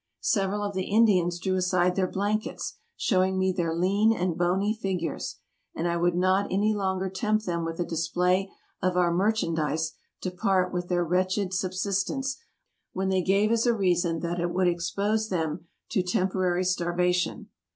Several of the Indians drew aside their blankets, showing me their lean and bony figures; and I would not any longer tempt them with a display of our merchandise to part with their wretched subsistence, when they gave as a reason that it would expose them to tempo rary starvation.